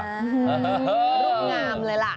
รูปงามเลยล่ะ